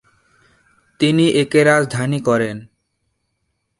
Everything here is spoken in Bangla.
তিনি একে রাজধানী করেন।